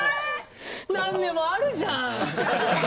何でもあるじゃん！